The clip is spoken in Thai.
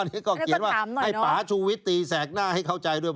อันนี้ก็เขียนว่าให้ป่าชูวิตตีแสกหน้าให้เข้าใจด้วย